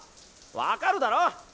分かるだろ？